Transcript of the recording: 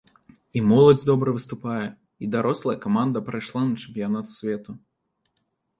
І моладзь добра выступае, і дарослая каманда прайшла на чэмпіянат свету.